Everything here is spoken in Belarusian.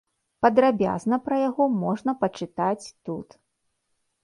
Падрабязна пра яго можна пачытаць тут.